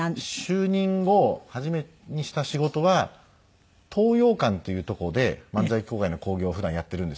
就任後初めにした仕事は東洋館っていうとこで漫才協会の興行を普段やってるんですけど。